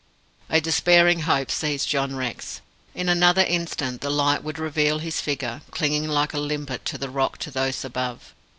A despairing hope seized John Rex. In another instant the light would reveal his figure, clinging like a limpet to the rock, to those above.